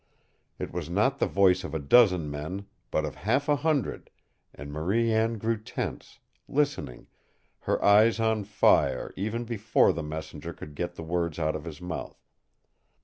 It was not the voice of a dozen men, but of half a hundred, and Marie Anne grew tense, listening, her eyes on fire even before the messenger could get the words out of his mouth.